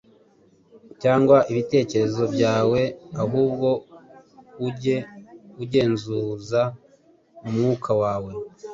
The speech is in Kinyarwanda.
cyangwa ibitekerezo byawe, ahubwo ujye ugenzuza umwuka wawe.